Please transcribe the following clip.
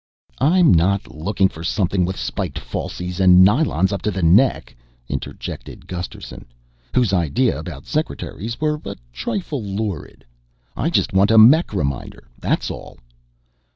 "I'm not looking for something with spiked falsies and nylons up to the neck," interjected Gusterson, whose ideas about secretaries were a trifle lurid. "I just want a mech reminder that's all!"